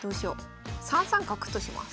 ３三角とします。